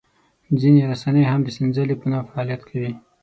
ځینې رسنۍ هم د سنځلې په نوم فعالیت کوي.